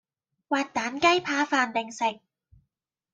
滑蛋雞扒飯定食